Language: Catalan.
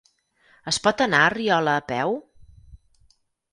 Es pot anar a Riola a peu?